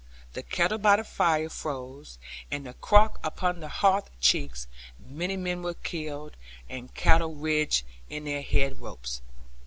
The kettle by the fire froze, and the crock upon the hearth cheeks; many men were killed, and cattle rigid in their head ropes.